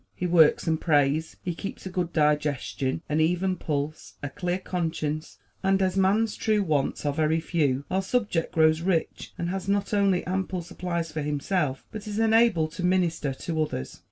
He works and prays. He keeps a good digestion, an even pulse, a clear conscience; and as man's true wants are very few, our subject grows rich and has not only ample supplies for himself, but is enabled to minister to others.